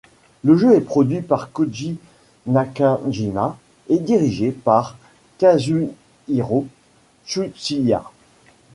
Le jeu est produit par Kōji Nakajima et dirigé par Kazuhiro Tsuchiya.